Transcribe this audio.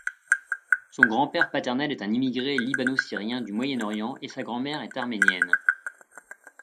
Son grand-père paternel est un immigré libano-syrien du Moyen-Orient et sa grand-mère est arménienne.